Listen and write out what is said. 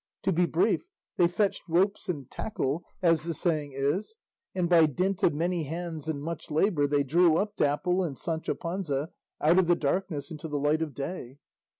To be brief, they fetched ropes and tackle, as the saying is, and by dint of many hands and much labour they drew up Dapple and Sancho Panza out of the darkness into the light of day.